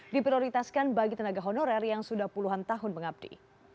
diprioritaskan bagi tenaga honorer yang sudah puluhan tahun mengabdi